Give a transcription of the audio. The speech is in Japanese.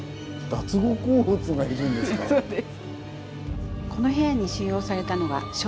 そうです。